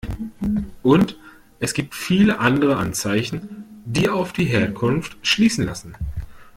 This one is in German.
Und es gibt viele andere Anzeichen, die auf die Herkunft schließen lassen.